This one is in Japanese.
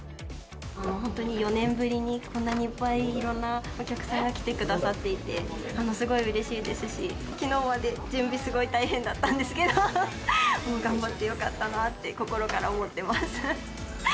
本当に４年ぶりにこんなにいっぱい、いろんなお客さんが来てくださっていて、すごいうれしいですし、きのうまで準備すごい大変だったんですけど、もう頑張ってよかったなって心から思ってます。